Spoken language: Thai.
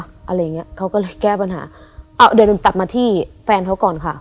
อะไรอย่างเงี้ยเขาก็เลยแก้ปัญหาอ้าวเดี๋ยวโดนตัดมาที่แฟนเขาก่อนค่ะ